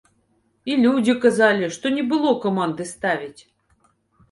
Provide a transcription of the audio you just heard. І людзі казалі, што не было каманды ставіць.